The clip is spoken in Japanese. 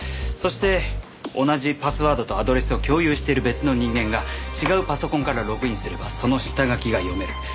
そして同じパスワードとアドレスを共有している別の人間が違うパソコンからログインすればその下書きが読める。